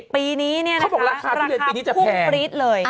ปีนี้นี่นะคะราคาพุ่งฟรี๊ดเลย